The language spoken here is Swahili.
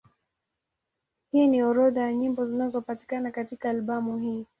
Hii ni orodha ya nyimbo zinazopatikana katika albamu hii.